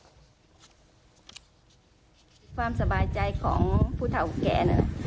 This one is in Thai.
ความสบายใจของผู้เท่าแก่นะ